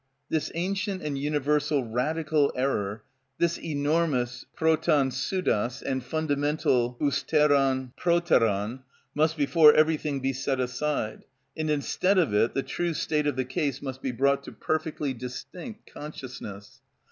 This ancient and universal radical error, this enormous πρωτον ψευδος and fundamental ὑστερον προτερον, must before everything be set aside, and instead of it the true state of the case must be brought to perfectly distinct consciousness.